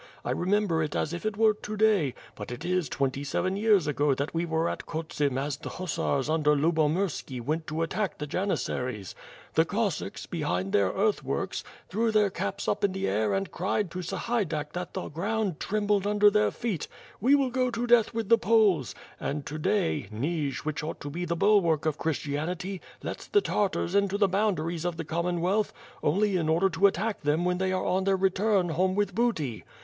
I remember it as if it were to day, but it is twenty seven years ago that we were at Khotsim as the hussars under Lubomirski went to attack the janissaries. The Cossacks, behind their earthworks, threw their caps up in the air and cried to Sahaydach so that the ground trembled under their feet, 'We will go to death with the Poles!' and to day— Nij, which ought to be the bulwark of Christianity lets the Tartars into the boundaries of the Commonwealth only in order to attack them when they are on their return home with booty.